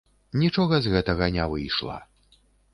Нічога з гэтага не выйшла.